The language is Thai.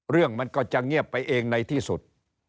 เรื่องมันก็จะเงียบไปเองในที่สุด